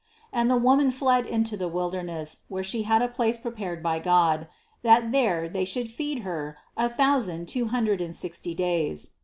6. And the woman fled into the wilderness where she had a place prepared by God, that there they should feed her a thousand two hundred and sixty days.